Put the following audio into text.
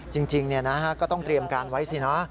จริงก็ต้องเตรียมการไว้สินะ